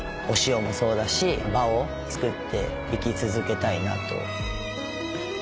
お塩もそうだし場を作っていき続けたいなと。